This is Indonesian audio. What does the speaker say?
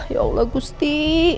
ya allah gusti